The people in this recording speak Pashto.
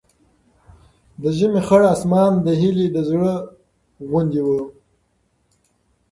د ژمي خړ اسمان د هیلې د زړه غوندې و.